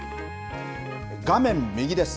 画面右です。